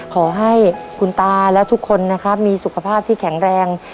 ขอให้คุณตาและทุกคนนะครับมีสุขภาพที่แข็งแรง